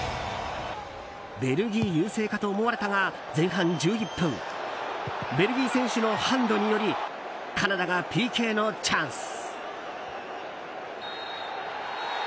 ベルギー優勢かと思われたが前半１１分ベルギー選手のハンドによりカナダがＰＫのチャンス。